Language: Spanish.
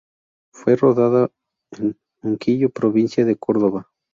Fue rodada en Unquillo provincia de Córdoba.